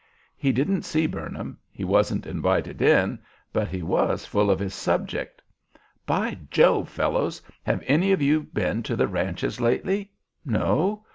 He didn't see Burnham; he wasn't invited in, but he was full of his subject. 'By Jove! fellows. Have any of you been to the ranches lately? No?